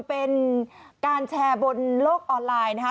เป็นการแชร์บนโลกออนไลน์นะคะ